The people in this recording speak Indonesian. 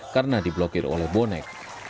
karena diblokir oleh bonek